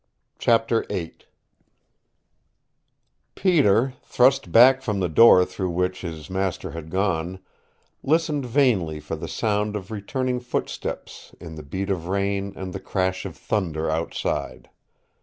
CHAPTER VIII Peter, thrust back from the door through which through which his master had gone, listened vainly for the sound of returning footsteps in the beat of rain and the crash of thunder outside.